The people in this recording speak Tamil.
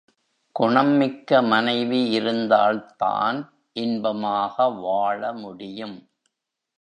குணம் மிக்க மனைவி இருந்தால்தான் இன்பமாக வாழ முடியும்.